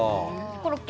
コロッケ！